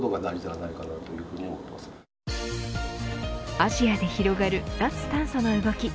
アジアで広がる脱炭素の動き。